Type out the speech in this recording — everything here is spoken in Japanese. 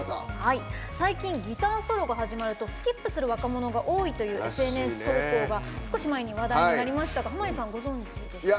最近、ギターソロが始まるとスキップする若者が多いというＳＮＳ投稿が少し前に話題になりましたが濱家さん、ご存じでした？